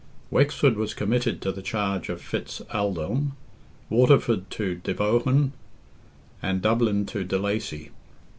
Wexford was committed to the charge of Fitz Aldelm, Waterford to de Bohun, and Dublin to de Lacy.